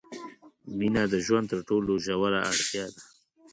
مینه د ژوند تر ټولو ژوره اړتیا ده.